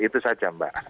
itu saja mbak